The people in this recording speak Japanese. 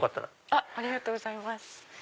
ありがとうございます。